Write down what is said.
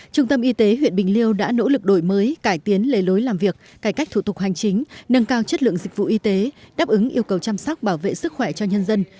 trung tâm y tế huyện bình liêu đã nỗ lực đổi mới cải tiến lề lối làm việc cải cách thủ tục hành chính nâng cao chất lượng dịch vụ y tế đáp ứng yêu cầu chăm sóc bảo vệ sức khỏe cho nhân dân